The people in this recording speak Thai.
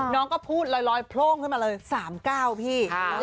น้องก็พูดลอยโพร่งขึ้นมาเลย๓๙พี่